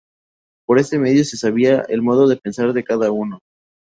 Por este medio se sabía el modo de pensar de cada uno.